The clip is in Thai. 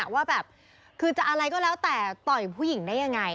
ว่าแบบคือจะอะไรก็แล้วแต่ต่อยผู้หญิงได้ยังไง